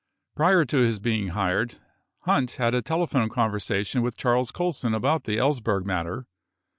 Prior to his being hired, Hunt had a telephone conversation with Charles Colson about the Ellsberg matter.